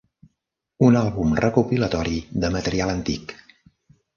Un àlbum recopilatori de material antic.